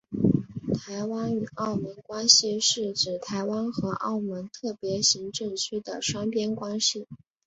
台湾与澳门关系是指台湾和澳门特别行政区的双边关系。